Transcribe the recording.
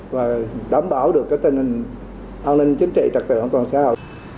và đảm bảo được cái tình hình an ninh chính trị trật tựa không còn sao